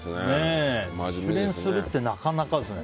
自主練するってなかなかですね。